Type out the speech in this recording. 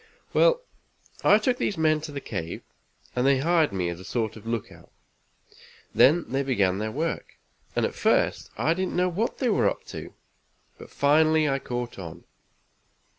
"Well, I took these men to the cave, and they hired me as a sort of lookout. Then they began their work, and at first I didn't know what they were up to, but finally I caught on.